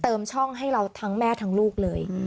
เติมช่องให้เราทั้งแม่ทั้งลูกเลย